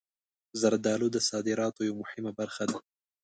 زردالو د صادراتو یوه مهمه برخه ده.